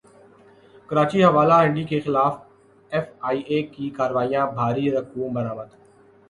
کراچی حوالہ ہنڈی کیخلاف ایف ائی اے کی کارروائیاں بھاری رقوم برامد